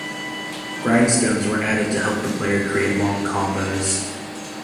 Grindstones were added to help the player create long combos.